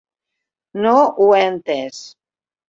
No ho he entès.